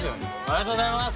ありがとうございます！